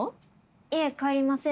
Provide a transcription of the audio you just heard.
いえ帰りません。